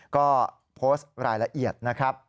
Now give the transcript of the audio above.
ก็โพสต์รายละเอียดนะครับ